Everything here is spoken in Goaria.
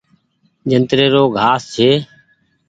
جنتري رو گآس ڇي۔